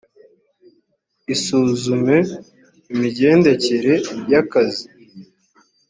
isuzume imigendekere y akazi